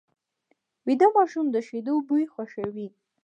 ویده ماشوم د شیدو بوی خوښوي